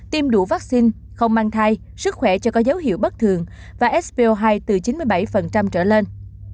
tiêm đủ vaccine không mang thai sức khỏe cho có dấu hiệu bất thường và sp hai từ chín mươi bảy trở lên